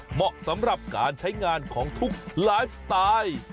เหมาะสำหรับการใช้งานของทุกไลฟ์สไตล์